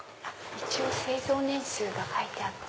一応製造年数が書いてあって。